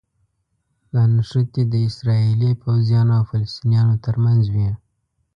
دا نښتې د اسراییلي پوځیانو او فلسطینیانو ترمنځ وي.